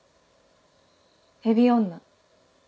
「ヘビ女」。